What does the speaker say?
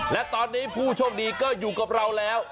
และตอนนี้ผู้โชคดีก็อยู่กับเราแล้ว